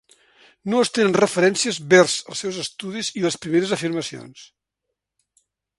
No es tenen referències vers els seus estudis i les primeres afirmacions.